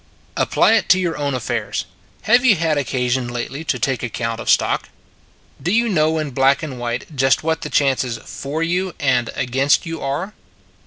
Apply it to your own affairs. Have you had occasion lately to take account of stock? Do you know in black and white just what the chances for you and against you are?